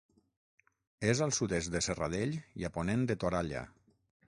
És al sud-est de Serradell i a ponent de Toralla.